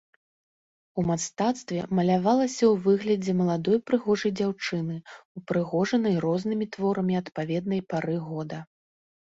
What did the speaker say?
У мастацтве малявалася ў выглядзе маладой прыгожай дзяўчыны, упрыгожанай рознымі творамі адпаведнай пары года.